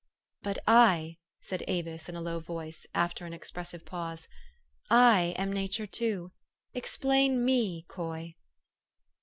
"But I," said Avis in a low voice, after an ex pressive pause, " I am nature, too. Explain me, Coy."